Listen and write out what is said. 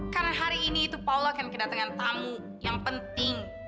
karena hari ini itu paul akan kedatangan tamu yang penting